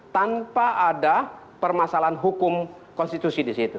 tanpa ada permasalahan hukum konstitusi disitu